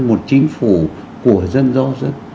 một chính phủ của dân do dân